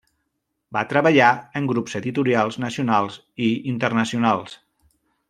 Va treballar en grups editorials nacionals i internacionals.